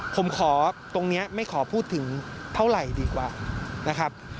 ผมขอตรงนี้ไม่ขอพูดถึงเท่าไหร่ดีกว่านะครับ